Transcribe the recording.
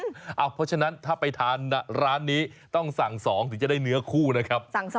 เพราะฉะนั้นถ้าไปทานร้านนี้ต้องสั่ง๒ถึงจะได้เนื้อคู่นะครับ